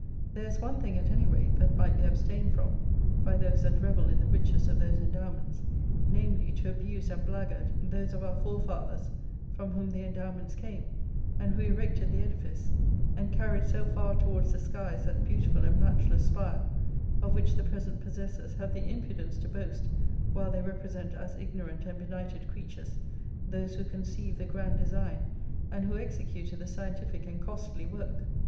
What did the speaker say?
There is one thing, at any rate, that might be abstained from, by those that revel in the riches of those endowments; namely, to abuse and blackguard those of our forefathers, from whom the endowments came, and who erected the edifice, and carried so far towards the skies that beautiful and matchless spire, of which the present possessors have the impudence to boast, while they represent as ignorant and benighted creatures, those who conceived the grand design, and who executed the scientific and costly work.